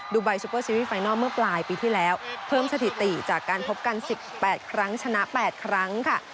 ไบซุปเปอร์ซีรีสไฟนอลเมื่อปลายปีที่แล้วเพิ่มสถิติจากการพบกัน๑๘ครั้งชนะ๘ครั้งค่ะ